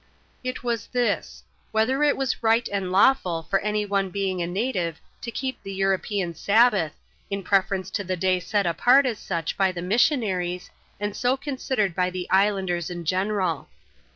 It was this :— whether it was right and lawful for any one being a native to keep the European Sabbath, in preference to the day set apart as such by the missionaries, and so considered bjr the islanders in general.